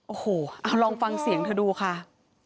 โอ้โหเอาลองฟังเสียงเธอดูค่ะ